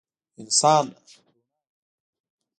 انسان رڼا ویني.